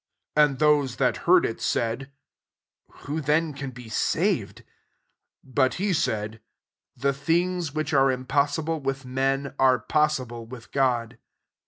26 And those that heard it said, Who then can be saved ?" 2r But he said, " The things which are impossible with men, are possible with God.''